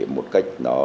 một cách đạt được